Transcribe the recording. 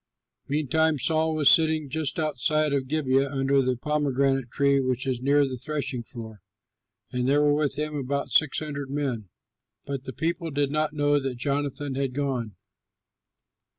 Meantime Saul was sitting just outside of Gibeah under the pomegranate tree which is near the threshing floor, and there were with him about six hundred men. But the people did not know that Jonathan had gone.